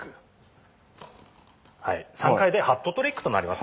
３回でハットトリックとなります。